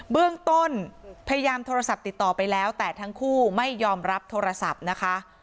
เบื้องต้นพยายามโทรศัพท์ติดต่อไปแล้วแต่ทั้งคู่ไม่ยอมรับโทรศัพท์นะคะ